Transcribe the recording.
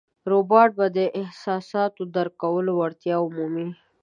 روباټان به د احساساتو درک کولو وړتیا ومومي.